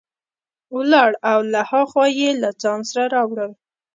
ولاړ او له ها خوا یې له ځان سره راوړل.